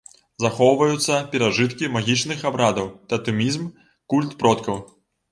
Захоўваюцца перажыткі магічных абрадаў, татэмізм, культ продкаў.